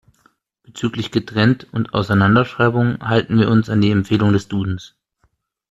Bezüglich Getrennt- und Auseinanderschreibung halten wir uns an die Empfehlungen des Dudens.